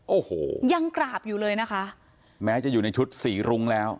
โอ้โหยังกราบอยู่เลยนะคะแม้จะอยู่ในชุดสีรุ้งแล้ว